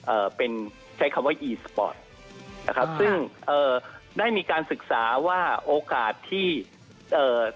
เอ่อเป็นใช้คำว่าอีสปอร์ตนะครับซึ่งเอ่อได้มีการศึกษาว่าโอกาสที่เอ่อ